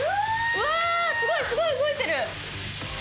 うわすごいすごい動いてる！